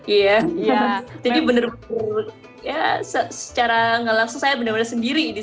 iya jadi benar benar ya secara nggak langsung saya benar benar sendiri